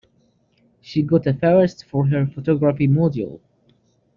She got a first for her photography module.